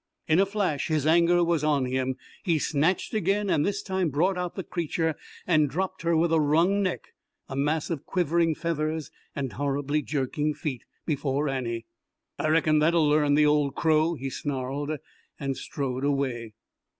In a flash his anger was on him. He snatched again, and this time brought out the creature and dropped her with wrung neck, a mass of quivering feathers and horribly jerking feet, before Annie. "I reckon that'll learn the old crow!" he snarled, and strode away.